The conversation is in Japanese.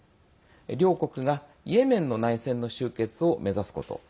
両国がイエメンの内戦の終結を目指すこと。